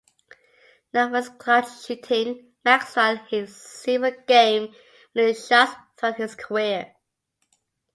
Known for his clutch shooting, Maxwell hit several game-winning shots throughout his career.